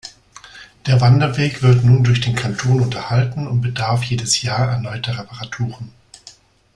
Der Wanderweg wird nun durch den Kanton unterhalten und bedarf jedes Jahr erneuter Reparaturen.